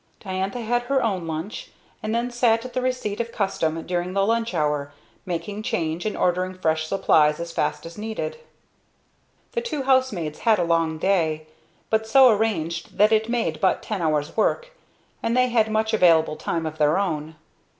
Diantha had her own lunch, and then sat at the receipt of custom during the lunch hour, making change and ordering fresh supplies as fast as needed. The two housemaids had a long day, but so arranged that it made but ten hours work, and they had much available time of their own.